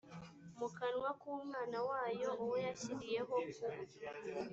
mu kanwa k umwana wayo uwo yashyiriyeho kuba